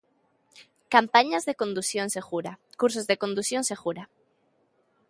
Campañas de condución segura, cursos de condución segura.